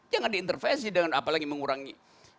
jangan diintervensi dengan apalagi mengurangi